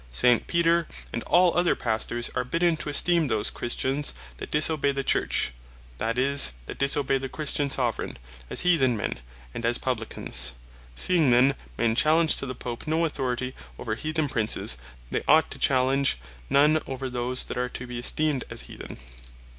St. Peter, and all other Pastors, are bidden to esteem those Christians that disobey the Church, that is, (that disobey the Christian Soveraigne) as Heathen men, and as Publicans. Seeing then men challenge to the Pope no authority over Heathen Princes, they ought to challenge none over those that are to bee esteemed as Heathen.